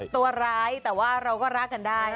ตัวร้ายแต่ว่าเราก็รักกันได้